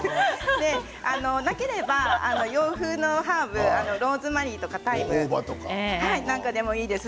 なければ洋風のハーブローズマリーやタイムなんかでもいいと思います。